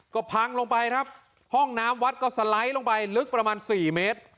ก็พังลงไปครับห้องน้ำวัดก็สไลด์ลงไปลึกประมาณสี่เมตร